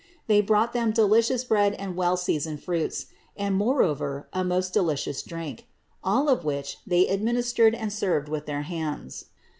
They brought them delicious bread and well seasoned fruits, and moreover a most delicious drink; all of which they administered and served with their own hands.